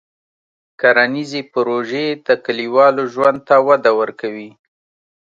کرنيزې پروژې د کلیوالو ژوند ته وده ورکوي.